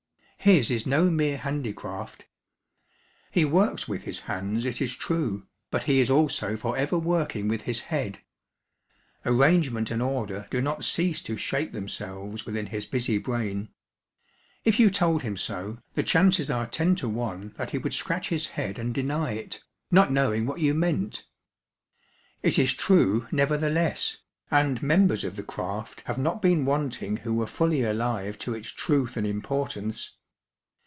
His is no mere handicraft. He works with his hands, it is true, but he is also for ever working with his head. Arrangement and order do not cease to shape themselves within his busy brain. If you told him so, the chances are ten to one that he would scratch his head and deny it, not knowing what you meant. It is true, nevertheless, and members of the craft have not been wanting who were fully alive to its truth and importance.